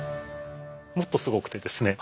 もっとすごくてですね。